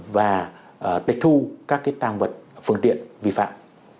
và đề thu các cái tăng vật phương tiện vi phạm